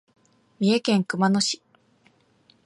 三重県熊野市